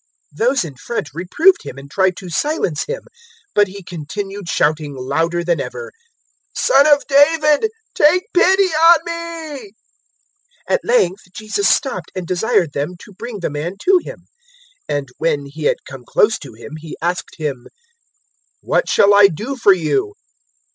018:039 Those in front reproved him and tried to silence him; but he continued shouting, louder than ever, "Son of David, take pity on me." 018:040 At length Jesus stopped and desired them to bring the man to Him; and when he had come close to Him He asked him, 018:041 "What shall I do for you?"